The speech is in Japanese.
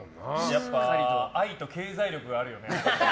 やっぱり愛と経済力があるよね。